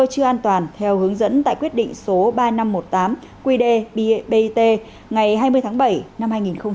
chưa an toàn theo hướng dẫn tại quyết định số ba nghìn năm trăm một mươi tám quy đề bit ngày hai mươi tháng bảy năm hai nghìn hai mươi một